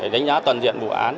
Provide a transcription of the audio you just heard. đánh giá toàn diện bộ án